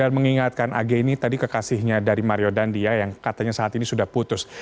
mengingatkan age ini tadi kekasihnya dari mario dandia yang katanya saat ini sudah putus